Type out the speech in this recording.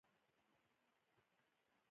د پاکستان ګوډاګیتوب قبلولې نشي.